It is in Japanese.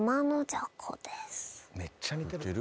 めっちゃ似てる。